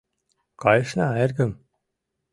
Кайышна, эргым!